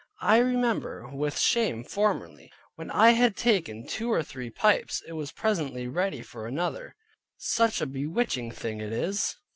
I remember with shame how formerly, when I had taken two or three pipes, I was presently ready for another, such a bewitching thing it is.